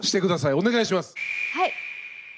お願いします。